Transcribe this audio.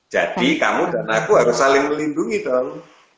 jadi kamu dan aku harus saling melindungi dong